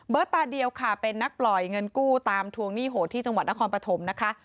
ตาเดียวค่ะเป็นนักปล่อยเงินกู้ตามทวงหนี้โหดที่จังหวัดนครปฐมนะคะ